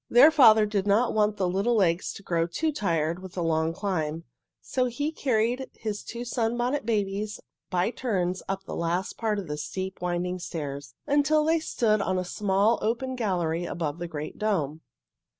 Their father did not want the little legs to grow too tired with the long climb, so he carried his two little Sunbonnet Babies by turns up the last part of the steep, winding stairs, until they stood on a small open gallery above the great dome.